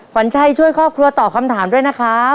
ขวัญชัยช่วยครอบครัวตอบคำถามด้วยนะครับ